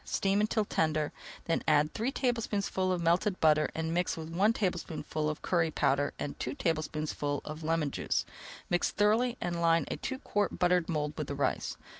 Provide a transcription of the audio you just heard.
Steam until tender, then add three tablespoonfuls of butter melted and mixed with one tablespoonful of curry powder and two tablespoonfuls of lemon juice. Mix thoroughly and line a two quart buttered mould with the rice.